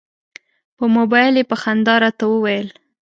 په مبایل یې په خندا راته وویل.